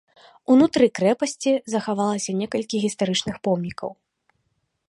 Унутры крэпасці захавалася некалькі гістарычных помнікаў.